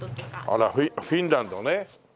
あらフィンランドね。